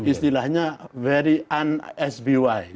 istilahnya very un sby